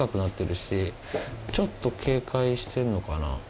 ちょっと警戒してるのかな。